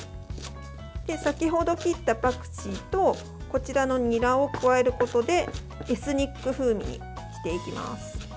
先程、切ったパクチーとこちらのニラを加えることでエスニック風味にしていきます。